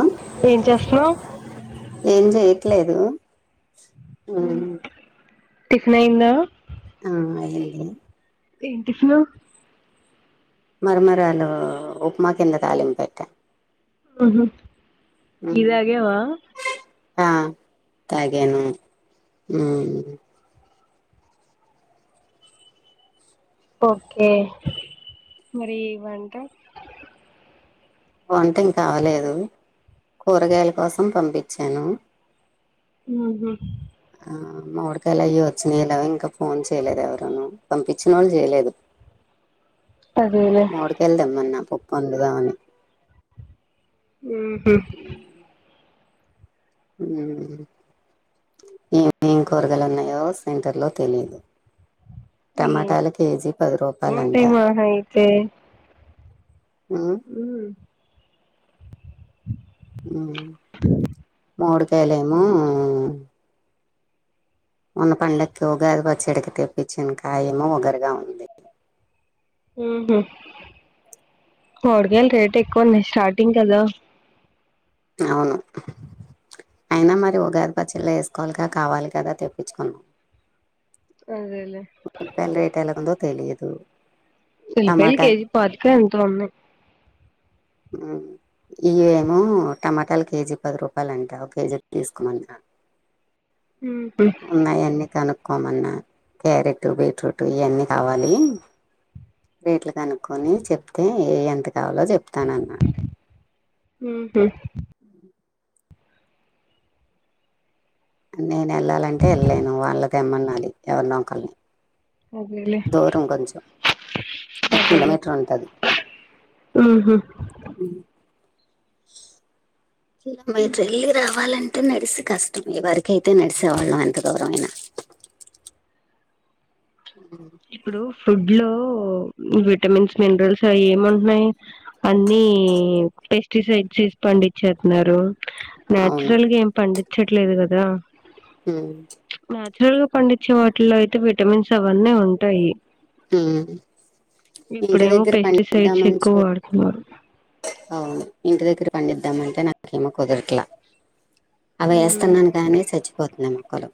ఆ ఏం చేస్తున్నావ్ ఏం చెయట్లేదు హ్మ్ టిఫినయిందా ఆ అయింది ఏం టిఫిను మరమరాలు ఉప్మా కింద తాలింపెట్టా ఉహూ టి తాగవా ఆ తాగాను హ్మ్ ఓకే మరి వంట వంట ఇంకా అవ్వలేదు కూరగాయల కోసం పంపించాను హ్మ్ హు ఆ మామిడికాయలు అవ్వి వచ్చినయి లేవ ఇంకా ఫోన్ చేయలేదు, ఎవరును పంపించిన వాళ్ళు చేయలేదు. అదేలే మామిడికాయలు తెమ్మన్న పప్ పండ్లు దామని ఊహూ ఏం ఏం కురగాయలున్నయో సెంటర్లో తెలీదు ఏం ఏముంటాయి మహా అయితే ఉమ్ హ్మ్ హ్మ్ మావిడికాయలు ఏమో మొన్న పండక్కి ఉగాది పచ్చడికి తెప్పించిన కాయేమో ఒగరుగా ఉంది ఊహు కూరగాయలు రేట్ ఎక్కువ ఉన్నయ్ స్టార్టింగ్ కదా అవును అయినా మరి ఉగాది పచ్చళ్ళో వేసుకోవాలిగా కావాలి కదా తెప్పించుకున్నాం అదే కూరగాయలు రేటు ఎలా ఉందో తెలీదు ఎల్లిపాయలు కేజీ పాతికో ఎంతో ఉన్నాయి ఇయేమో టమాటాలు కేజీ పది రూపాయలు అంట ఒక కేజీ తీసుకోమన్న ఉహు ఉన్నాయన్నీ కను కొమన్నా క్యారెట్టు బీట్రూట్ ఇయన్నీ కావాలి రేట్లు కనుక్కొని చెప్తే ఏ ఎంత కావాలో చెప్తానన్నా ఊహూ నేను ఎళ్ళాలంటే ఎల్లేను వాళ్ళ తెమ్మన్నాలి ఎవరినో ఒకల్ని అదేలే చ్ ఒక అదేలే కిలోమీటర్ ఉంటుంది ఉహూ చ్చు చిన్నమ్మాయి చెల్లి రావాలని అతే నడిచి కష్టం ఎవరకైతే నడిసే వాళ్ళం ఎంత దూరమైనా ఇప్పుడు ఫుడ్ లో విటమిన్స్ మినరల్స్ అయి ఏముంటున్నాయి అన్నీ పెస్టిసైడ్స్స్సీ పండించేతన్నారు అవును న్యాచురల్ గ ఏమ్ పండి వచ్చట్లేదు కదా హ్మ్ నాచురల్ గా పండించే వాటిల్లో అయితే విటమిన్స్ అవన్నీ ఉం టయి హ్మ్ ఇంటి ఇప్పుడేమో దగ్గర పని పెస్టిసైడ్స్ చేద్దామని ఎక్కువ చూస్తే వాడుతున్నారు అవును ఇంటి దగ్గర పండిద్దామంటే నాకేమో కుదరట్లా అవి వేస్తన్నాను కాని చచ్చిపోతున్నాయి మొక్కలు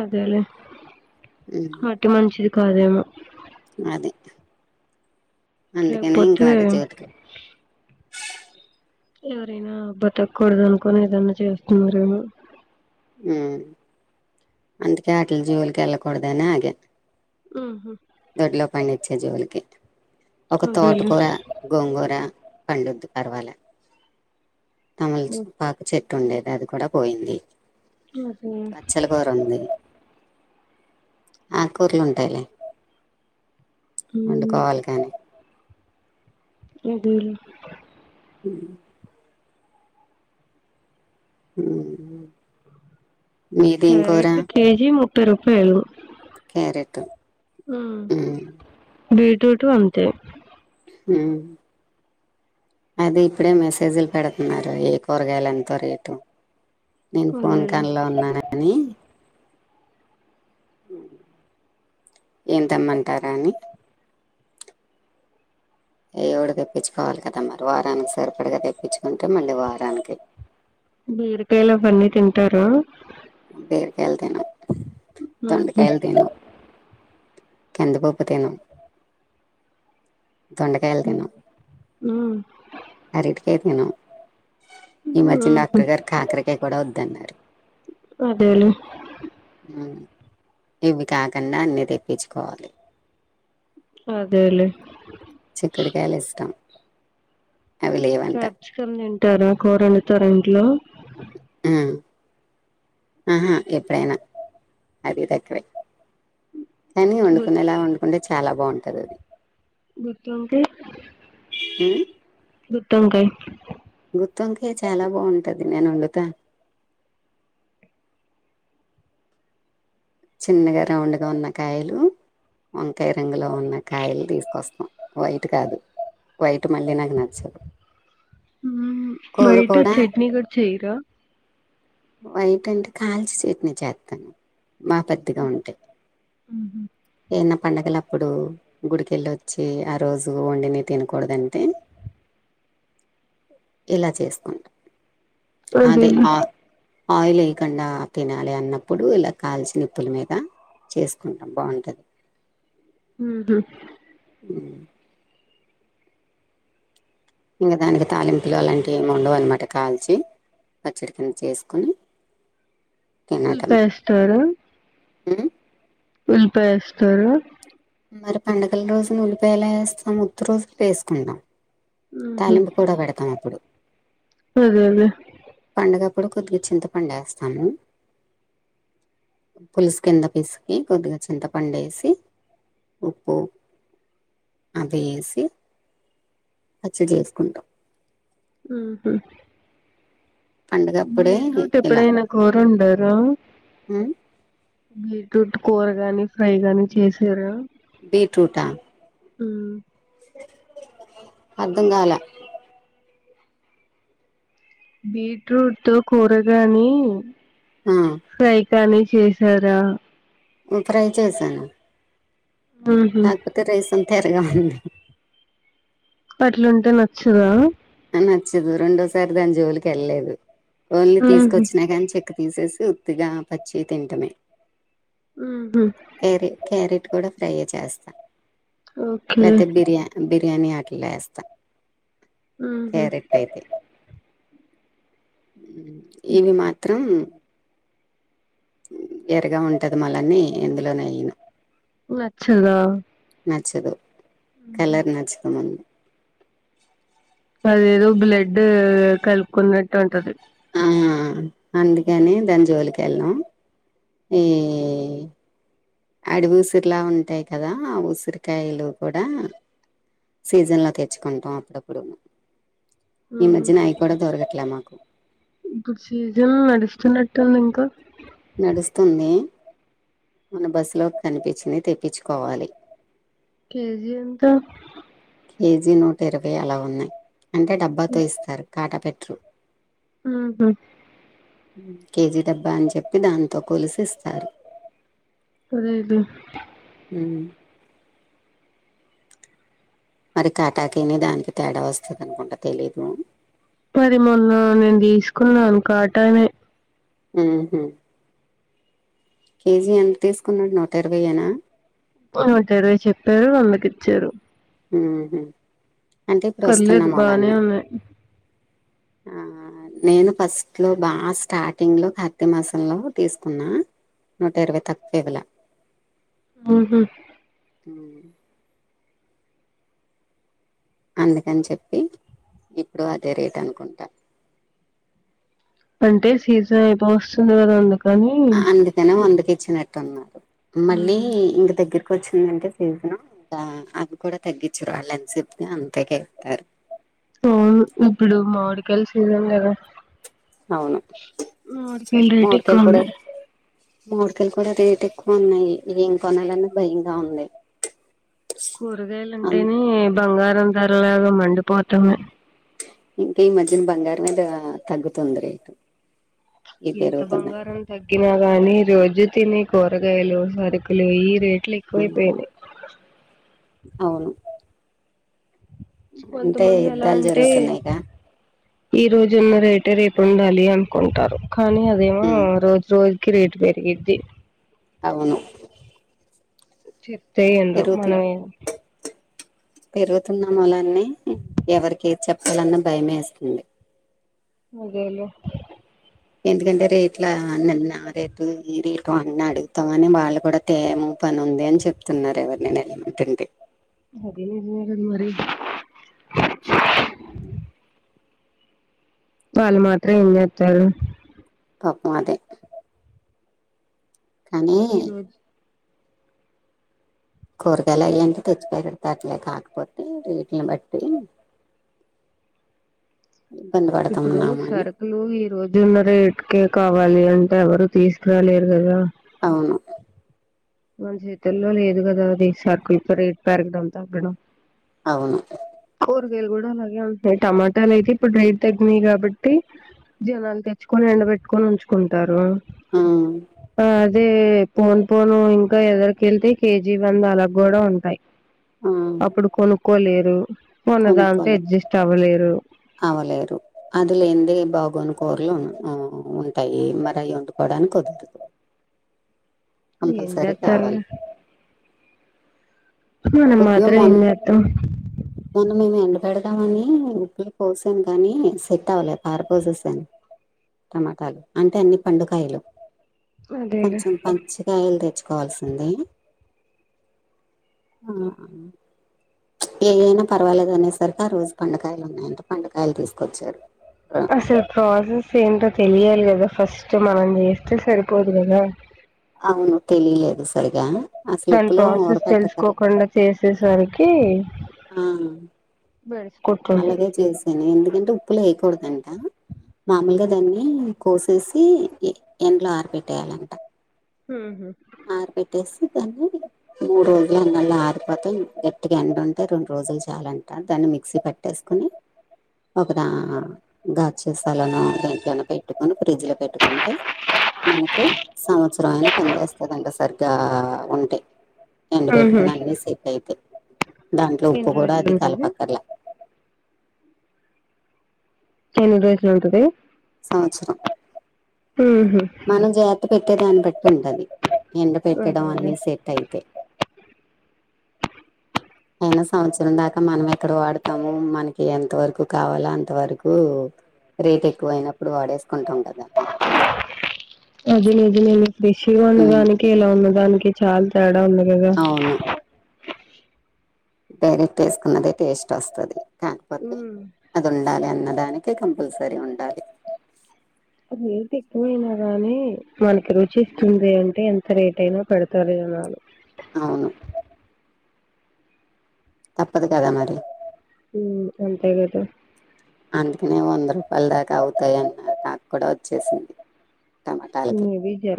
అదే లేే ఉమ్ మట్టి మంచిది కాదేమో అది అందుకనే ఇంకా లేకపోతే వాటి చోటుకి ఎవరైనా బతక్కూడదు అనుకోని ఏదన్నా చేస్తున్నారేమో ఉమ్మ్ అందుకే ఆటల్ జోల్ కి వెళ్ళకూడదనే ఆగే ఉ చె జోల్కి ఒక అదేలే తోటకూర, గోంగూర పండుద్ధి పర్వాల తమల్చ్ పాకు చెట్ టుండేది అది కూడా పోయింది. అదే పచ్చలకూర ఉంది. ఆకుకూరలు ఉంటాయిలే వండు కోవాలి కానీ ఏదిలు ఉం ఊమ్మ్ క్యారెట్ కేజీ ముప్ పై రూపాయలు క్యారెటు ఉం బీట్రూటు అంతే ఉమ్మ్ అది ఇప్పుడే మెసేజీలు పెడుతున్నారు ఏ కూరగాయలు ఎంతో రేటు నేను ఫోన్ అదేలే కాల్లో ఉన్నాను అని ఏంతేమ్మంటారా అని ఏదోఓకటి తెప్పించుకోవాలి కదా మరి వారానికి సరిపడిగా తెప్పించుకుంటే మళ్ళీ వారానికి తరా బీరకాయలు తినం ఉహు దొండకాయలు తినం కందిపప్పు తినం దొండకాయలు ఉ ఉమ్మ్ అరంటికాయ్ తినం ఈ మధ్య ఉహు డాక్టర్ గారు కాకరకాయ కూడా వద్దన్నారు అదేలే ఉం ఇవి కాకుండా అన్ని తెప్పించుకోవాలి. అదేలే చిక్కుడుకాయలు ఇష్టం అవి లేవంట క్యాప్సికం తింటారా కూరలు టోరెంట్లో ఊహుం ఎప్పుడైన అది తక్కువే కాని గుత్ వండుకునేలా వండుకుంటే చాలా బాగుంటది అది గుత్తువంకాయ్ గుత్ తంవంకాయ్ గుత్తివంకయి చాలా బాగుంటది నేను వండుతాను చిన్నగా రౌండ్గా ఉన్న కాయలు వంకాయ రంగులో ఉన్న కాయలు తీసుకొస్తాం వైట్ కాదు వైట్ మళ్ళీ నాకు నచ్చవు ఉమ్ కూర బయట కూడా చట్నీ కూడా చేయరా వైట్ అంటే కాల్చి చట్నీ చేత్తా మా పెద్దగా ఉంటాయి ఏన్న పండుగల అప్పుడు గుడికెళ్ళి వచ్చి ఆ రోజు వండిని తినకూడదంటే ఇలా చేసుకుంటాం అదే అదేలే ఆ ఆయిల్ ఎయకుండా తినాలి అన్నప్పుడు ఇలా కాల్చి నిప్పుల మీద చేసుకుంటాం బాగుంటది ఉహూ ఉ ఇంకా దానికి తాలింపులు అలాంటివి ఏం ఉన్నావు అన్నమాట కాల్చి పచ్చడికిని చేసుకొని ఉల్లిపాయ ఎస్తారా ఉ ఉల్పాయ ఎస్తారా మరి పండగల రోజున ఉల్లిపాయ ఎలా వేస్తాం ఉత్త్ రోజులు వేసుకుంటాం తాలింపు కూడా పెడతాం అప్పుడు అదే అదే పండగప్పుడు కొద్దిగా చింతపండు వేస్తాము పులుసు కింద పిసికి కొద్దిగా చింతపండు వేసి ఉప్పు అవి ఎసి పచ్చడి చేసుకుంటాం ఆహా పండుగప్పుడే బీట్రూట్ ఇలా ఎప్పుడైనా కూర ఉండారా ఉమ్. బీట్రూట్ కూరగాని ఫ్రై గాని చేసార బీట్రూట్ ఆ ఆ అర్ధంగాల బీట్రూట్ తో కూరగాని ఆ గనీ చేశారా ఫ్రై చేసాను ఉహు కాకపోతే రైస్ అంత తెర్ గా హ ఉంది పట్లుంటే నచ్చదా నచ్చదు రెండోసారి దాని జోలికి వెళ్ళలేదు ఓన్లీ ఉహు తీసుకొచ్చినా కానీ చెక్ తీసేసి ఉ తిగా పచ్చి తింటమే ఉహు క్యారెట్ క్యారెట్ కూడా ఫ ట్రయ చేస్తాను ఓకే లేతే బిర్యా బిర్యా బిర్యానీ హాకలేస్త ఉహు క్యారెక్ట్ యితే ఇవి మాత్రం ఎరగా ఉంటది మళ్ళన్నీ ఇందులోనే అయను అచ్చద నచ్చదు కలర్ నచ్చుతామంది అదేదో బ్లడ్ కలుకున్నట్ ఉంటుది ఆ అందుకని దాని జోలికి వెళ్ళనాం ఈ అడవి ఉసిరిలా ఉంటాయి కదా ఆ ఉసిరికాయలు కూడా సీజన్లో తెచ్చుకుంటాం అప్పుడప్పుడు ఈ మధ్యన అవి కూడా దొరకట్లే మాకు ఇప్పుడు సీజన్ నస్తున్న తెలంగా నడుస్తుంది మన బస్సులోకి కనిపించింది తెప్పించుకోవాలి కేజీ ఎంత కేజీ నూట ఇరవై అలా ఉన్నాయి అంటే డబ్బాతో ఇస్తారు కాటా పెట్ర ఆహా కేజీ డబ్బా అని చెప్పి దాంతో కొలిసి ఇస్తారు అదేద హ మరి కాటాకని దానికి తేడా వస్తుంది అనుకుంటా తెలీదు కాటామ కేజీ ఎంత తీసుకున్నాడు నూట ఇరవై ఏనా ఒకటరవై చెప్పారు అందకి ఇచ్చారు ఉ కలేదు బానే ఉ నేను ఫస్ట్లో బాగా స్టార్టింగ్లో కార్తీ మాసంలో తీసుకున్నా నూట ఇరవై తక్కువ ఇవల ఆహా హ అందుకని చెప్పి ఇప్పుడు అదే రేట్ అనుకుంటా అంటే సీజన్ ఏ బా వస్తుంది కదా అందుకు అందుతనా వందకి నచ్చినట్టున్నారు మళ్ళీ ఉమ్, ఇం దగ్గర వచ్చిందంటే సీజన్ అది కూడా తగ్గించు రా వాళ్ళని చెప్తే అంతాక వెతారు ఆ ఇప్పుడు మామిడికాయల సీజన్ కదా అవును అ రేట్ ఎక్కువ ఉన్నాయి మావిడికయలు కూడా రేట్ ఎక్కువ ఉన్నాయి ఏం కొనాలన్నా భయంగా ఉంది కూరగాయలు అన్ అంటేనే బంగారం ధరలాగామండి డిపోతనయి ఇంకా ఈ మధ్యన బంగారం మీద తగ్గుతుంది రేటు ఇవి ఏంత పెరుగుతున్నాయి బంగారం తగ్గి ఇ కాని రోజు తిని కూరగాయలు సరుకులు ఈ రే ట్లు ఎక్ అయిపోయినాయి అవును అంటే కొంతమంది ఎలా యుద్ధాలు అంటే జరుగుతున్నాయికా ఈ రోజున్న రేటే రేపు ఉండాలి అనుకుంటారు కానీ అదేమో ఉమ్, రోజు రోజు క్రీట్ పెరిగిద్ది అవును చె తే వినరు పెరుగుతు మన పెరుగుతున్న మొలాన్నన్ని ఎవరికి చెప్పాలన్న భయమే వేస్తుంది అదేలే ఎందుకంటే రేట్లన్న రేట్ ఈ రేట్లు అన్న అడుగుతగానే వాళ్ళు కూడా తేము పని ఉంది అని చెప్తున్నారు ఎవరు నేను అడుగుతుంటే అద మరి అ అల్లు మాత్రం ఏం చేస్తారు పాపం అదే కానీ ఈ రోజు కూరగాయలు అయి తెచ్చిపోయ పెత అట్లే కాకపోతే రేట్లను బట్టి ఇబ్బంది ఇప్పుడు పడుతున్నాము అని సరుకులు ఈ రోజు ఉన్న రేట్కే కావాలి అంటే ఎవరు తీసుకురాలేరు కదా అవును మన చేతుల్లో లేదు కదా అది సర్కుల్ ప రేట్ పెరగడం తగ్గడం అవును కూరగాయలు కూడా అలాగే ఉంటున్నాయి టమాటాలు అయితే ఇప్పుడు రైట్ తగ్గినయి కాబట్టి జనాలు తెచ్చుకొని ఎండబెట్టుకొని ఉంచుకుంటారు ఆ ఆ అదే పోను పోనుం గా ఎదురికెళ్తే కేజీ వంద అలాగ కూడా ఉంటాయి ఆ అప్పుడు కొను కోలేరు ఉన్న దాంతో అడ్జస్ట్ అవ్వలేరు అవ్వలేరు అది లేనిదే బాగోని కూరలు ఉంటాయి మరి అవి వండుకోవడానికి కుదరదు కంపల్సరీ ఎంజెచ్చర్లె కావాలి మనం కొద్దిగా మాత్రం మొన్న ఎంచెత్తం. మొన్న మేము ఎండ పెడదామని ఉప్పులొ పోసాం కానీ సెట్టవ్వలే పారపోసేసాన్, టమాటాలు అంటే అన్ని పండుకాయలు. అదేలే కొంచెం పంచికాయల్ తెచ్చ్ కాల్సింది. ఆ, చ్ ఏయైనా పర్వాలేదు అనేసరిక ఆ రోజు పండుకాయలు ఉన్నాయంట పండుకాయలు తీసుకొచ్చారు. ఆ! అసలు ప్రోసస్ ఏంటొ తెలియాలి గద ఫస్ట్ మనం చేస్తే సరిపోదు గదా. అవును తెలిలేదు సరిగా. అసలు దాని ఉప్పులో ఊర ప్రాసెస్ పెట్టకర్లే తెలుసుకోకుండా చేసేసరికి బెడిసి కొట్టుంటది అలాగే చేసాను ఎందుకంటే ఉప్పులొ ఎయ్యకూడదన్. ఆ మామూలుగా దాన్ని కోసేసి, ఇ ఎండ్లో ఆర పెట్టేయాలంట. హుహు దాన్ని మూడురోజుల అంగళ్ళ ఆరిపోతయ్, గట్టిగా ఎండుంటే రెండ్రోజులు చాలంట దాన్ని మిక్సీ పె ట్టేస్కుని, ఒక దా గాజ్ సీసలొనొ దెంట్లోనొ పెట్టుకుని ఫ్రిడ్జ్ లో పెట్టుకుంటే, మనకి సంవచ్రం అయినా పని చేస్తందంట సరిగా అవుంటయ్. ఎండ ఉహు పెట్టుకున అన్నీ సేట్టైతే. దాంట్లో ఉప్పు ఎన్ని కూడా రోజులు అది ఉంటది కలపక్కర్ల ఎన్ని రోజులు ఉంటది. సంవచ్రం. ఉహు మనం జాతపెట్టే దాన్ని బట్టి ఉంటది. ఎండ పెట్టడం అదేలే అన్నీ సెట్టైయితే అయినా సంవచ్రం దాకా మనంమెక్కడ వాడతాము మనకి ఎంత వరకు కావాలా అంతవరకు రేట్ ఎక్కువైనప్పుడు వాడేసుకుంటం కదా. బిష్ గా ఉన్న ఉమ్, దానికి ఎలా ఉన్నదానికి ఇ చాల్ తెడా ఉన్న గగ డైరెట్టేసుకున్నదైదె టేస్ట్ వస్తది. కాకపోతే అదుండాలి అ దానికే కంపల్సరీ ఉండాలి. రేట్ ఎక్కువైయినా గాని మనకి రుచి ఇస్తుంది, అంటే ఎంత రేట్ అయినా పెడతారు జనాలు. అవును తప్పదు కదా మరి ఉ అంతే కదా. అందుకనే వంద రూపాయల దాకా అవుతయ్ అన్నార్ తాక్ కూడా వచ్చేసింది. టమాటాలకి నీవి జర